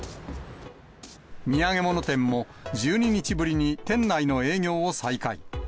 土産物店も、１２日ぶりに店内の営業を再開。